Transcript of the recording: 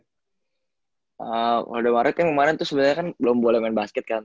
kalau udah maret kan kemarin tuh sebenarnya kan belum boleh main basket kan